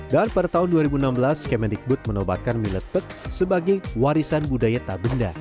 dan pada tahun dua ribu enam belas kemendikbud menobatkan mie letek sebagai warisan budaya tabenda